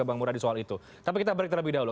ke bang mura di soal itu tapi kita break terlebih dahulu